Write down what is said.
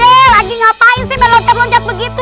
pak d lagi ngapain sih berlontar loncat begitu